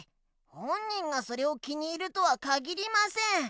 本人がそれを気に入るとはかぎりません。